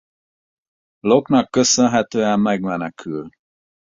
Locke-nak köszönhetően megmenekül.